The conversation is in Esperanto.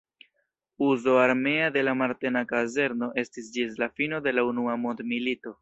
Uzo armea de la Marteno-kazerno estis ĝis la fino de la Unua mondmilito.